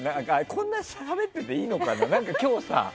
こんなしゃべってていいのかな。